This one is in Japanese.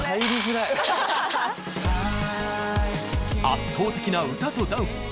圧倒的な歌とダンス。